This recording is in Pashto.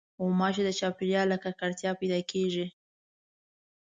غوماشې د چاپېریال له ککړتیا پیدا کېږي.